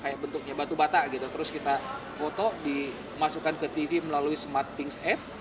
kayak bentuknya batu bata gitu terus kita foto dimasukkan ke tv melalui smart things app